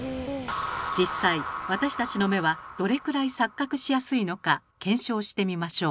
実際私たちの目はどれくらい錯覚しやすいのか検証してみましょう。